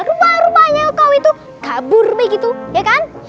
rupa rupanya kau itu kabur begitu ya kan